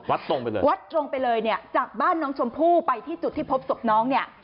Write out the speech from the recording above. ตรงไปเลยวัดตรงไปเลยเนี่ยจากบ้านน้องชมพู่ไปที่จุดที่พบศพน้องเนี่ย